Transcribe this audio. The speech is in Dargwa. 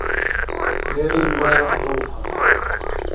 Лерилра дулхъан.